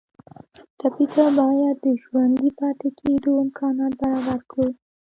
ټپي ته باید د ژوندي پاتې کېدو امکانات برابر کړو.